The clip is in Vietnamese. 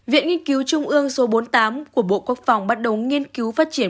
viện nghiên cứu trung ương số bốn mươi tám của bộ quốc phòng bắt đầu nghiên cứu phát triển